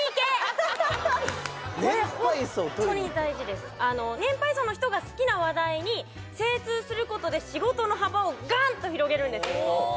これホントに大事です年配層の人が好きな話題に精通することで仕事の幅をガンと広げるんです